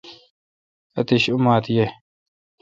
آتش اوماتھ ییں۔